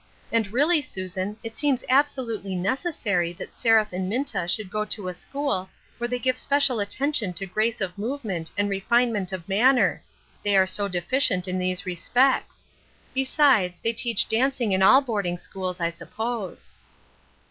And really, Susan, it seems absolutely necessary that Seraph and Minta should go to a school where they give special attention to grace of movement and refinement of manner ; they are so deficient in these respects. Beside, they teach dancing in all boarding schools, I suppose."